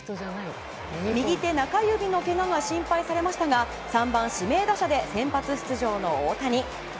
右手中指のけがが心配されましたが３番指名打者で先発出場の大谷。